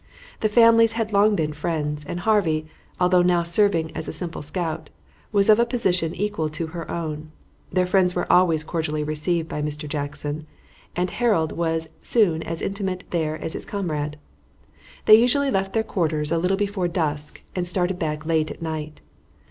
The families had long been friends, and Harvey, although now serving as a simple scout, was of a position equal to her own. The friends were always cordially received by Mr. Jackson, and Harold was soon as intimate there as his comrade. They usually left their quarters a little before dusk and started back late at night.